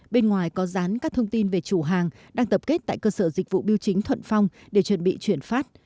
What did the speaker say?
bên ngoài có dán các thông tin về chủ hàng đang tập kết tại cơ sở dịch vụ biêu chính thuận phong để chuẩn bị chuyển phát